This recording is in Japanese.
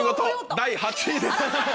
第８位です。